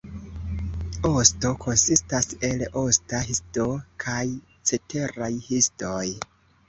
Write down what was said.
Osto konsistas el osta histo kaj ceteraj histoj.